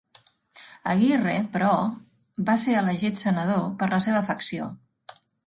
Aguirre, però, va ser elegit Senador per la seva facció.